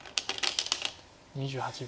２８秒。